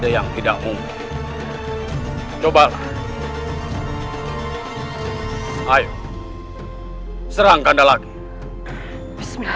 jangan lupa like subscribe dennishus